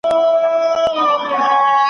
ښوونکي تل له زده کوونکو ملاتړ کوي.